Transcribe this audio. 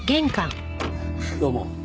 どうも。